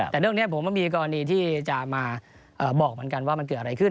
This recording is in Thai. แต่เรื่องนี้ผมว่ามีกรณีที่จะมาบอกเหมือนกันว่ามันเกิดอะไรขึ้น